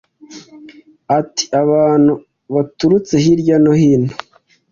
Ati Abantu baturutse hirya no hino